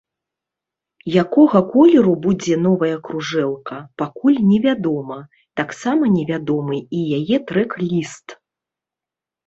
Якога колеру будзе новая кружэлка, пакуль не вядома, таксама невядомы і яе трэк-ліст.